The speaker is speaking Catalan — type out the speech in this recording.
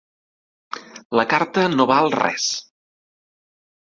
La carta no val res.